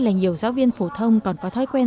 là nhiều giáo viên phổ thông còn có thói quen